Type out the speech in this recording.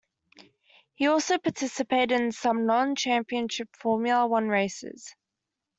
He also participated in some non-Championship Formula One races.